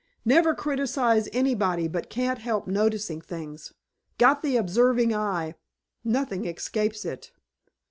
"Never criticize anybody but can't help noticing things. Got the observing eye. Nothing escapes it.